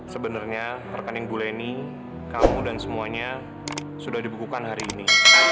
sebenarnya rekening buleni kamu dan semuanya sudah dibekukan hari ini